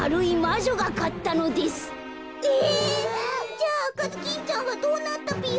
じゃああかずきんちゃんはどうなったぴよ？